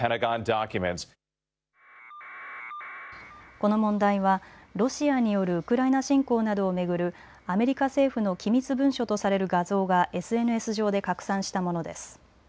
この問題はロシアによるウクライナ侵攻などを巡るアメリカ政府の機密文書とされる画像がＳＮＳ上で拡散したものです。